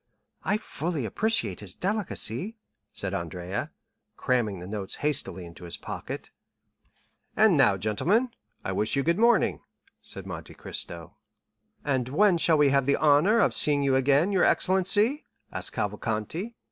"I fully appreciate his delicacy," said Andrea, cramming the notes hastily into his pocket. "And now, gentlemen, I wish you good morning," said Monte Cristo. "And when shall we have the honor of seeing you again, your excellency?" asked Cavalcanti.